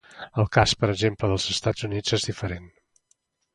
El cas, per exemple, dels Estats Units és diferent.